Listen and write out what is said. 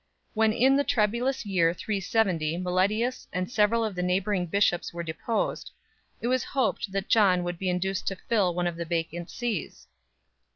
When in the troublous year 370 Meletius and several of the neighbouring bishops were deposed, it was hoped that John would be induced to fill one of the vacant sees.